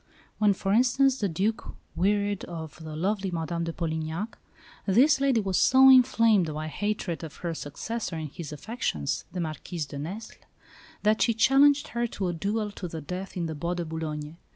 When, for instance, the Duc wearied of the lovely Madame de Polignac, this lady was so inflamed by hatred of her successor in his affections, the Marquise de Nesle, that she challenged her to a duel to the death in the Bois de Boulogne.